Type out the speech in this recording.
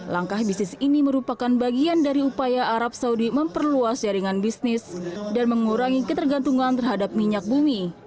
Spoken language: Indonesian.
langkah bisnis ini merupakan bagian dari upaya arab saudi memperluas jaringan bisnis dan mengurangi ketergantungan terhadap minyak bumi